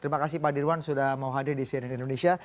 terima kasih pak dirwan sudah mau hadir di cnn indonesia